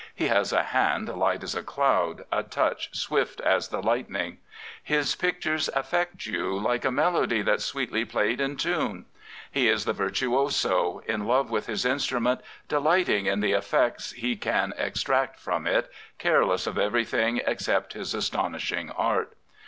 He has a hand light as a cloud, a touch swift as the light ning. His pictures affect you " like a melody that's sweetly played in tune." He is the virtuoso, in love with his instrument, delighting in the effects he can extract from it, careless of everything except his astonishing art.